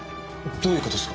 どういう事ですか？